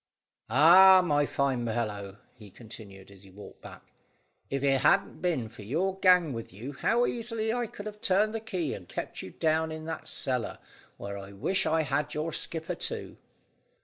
"Ah, my fine fellow," he continued, as he walked back, "if it hadn't been for your gang with you, how easily I could have turned the key and kept you down in that cellar, where I wish I had your skipper too."